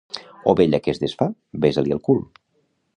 Ovella que es desfà, besa-li el cul.